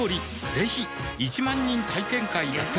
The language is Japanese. ぜひ１万人体験会やってますはぁ。